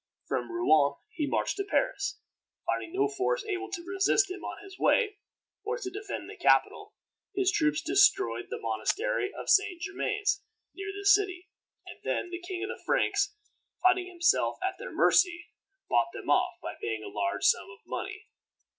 From Rouen he marched to Paris, finding no force able to resist him on his way, or to defend the capital. His troops destroyed the monastery of St. Germain's, near the city, and then the King of the Franks, finding himself at their mercy, bought them off by paying a large sum of money.